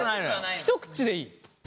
一口でいい。